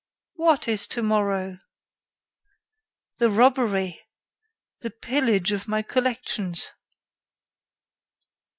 "What is tomorrow?" "The robbery! The pillage of my collections!"